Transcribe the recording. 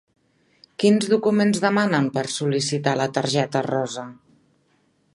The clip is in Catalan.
Quins documents demanen per sol·licitar la targeta rosa?